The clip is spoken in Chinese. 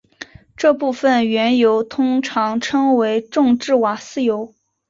这部分原油通常称为重质瓦斯油。